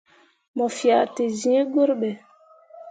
Mo fea te zẽẽ gurɓe.